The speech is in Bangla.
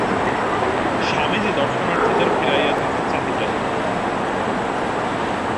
স্বামীজী দর্শনার্থীদের ফিরাইয়া দিতে চাহিতেন না।